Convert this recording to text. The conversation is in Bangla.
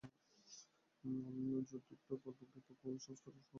যুদ্ধোত্তর পর্বে ব্যাপক ভূমি সংস্কার কর্মসূচীর ফলে কৃষিজ উৎপাদন বহুগুণ বৃদ্ধি পেয়েছে।